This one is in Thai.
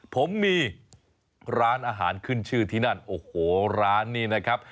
ผมมีร้านอาหารขึ้นชื่อที่นั่นโอ้โหร้านนี้นะครับ